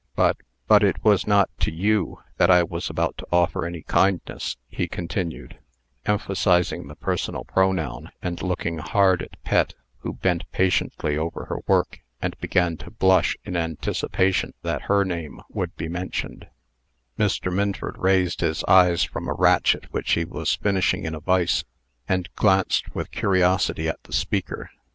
"But but it was not to you that I was about to offer any kindness," he continued, emphasizing the personal pronoun, and looking hard at Pet, who bent patiently over her work, and began to blush in anticipation that her name would be mentioned, Mr. Minford raised his eyes from a ratchet which he was finishing in a vice, and glanced with curiosity at the speaker.